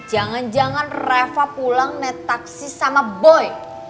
jangan jangan rava pulang naik taksi sama boy